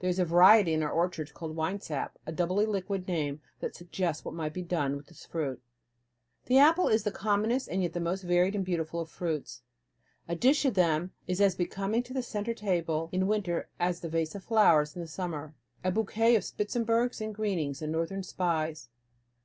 There is a variety in our orchards called the winesap, a doubly liquid name that suggests what might be done with this fruit. The apple is the commonest and yet the most varied and beautiful of fruits. A dish of them is as becoming to the centre table in winter as was the vase of flowers in the summer, a bouquet of spitzenbergs and greenings and northern spies.